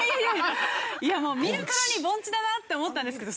◆いや、見るからに盆地だなって思ったんですけど。